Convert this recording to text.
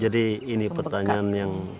jadi ini pertanyaan yang